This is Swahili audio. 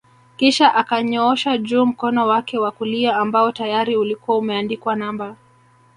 Kisha akanyoosha juu mkono wake wa kulia ambao tayari ulikuwa umeandikwa namba